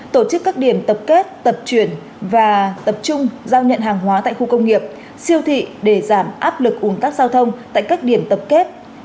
tổ chức các điểm tập kết tập chuyển và tập trung giao nhận hàng hóa tại khu công nghiệp siêu thị để giảm áp lực ủng tắc giao thông tại các điểm tập kết